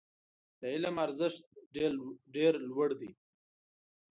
د علم ارزښت ډېر لوړ دی.